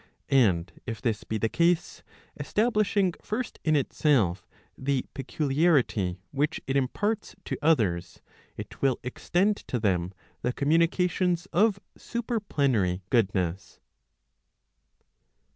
And if this be the case, establishing first in itself the peculiarity which it imparts to others, it will extend to them the communications of super plenary goodness.